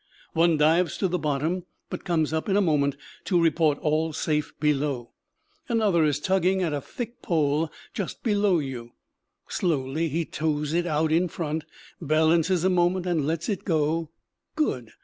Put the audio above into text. One dives to the bottom, but comes up in a moment to report all safe below. Another is tugging at a thick pole just below you. Slowly he tows it out in front, balances a moment and lets it go _good!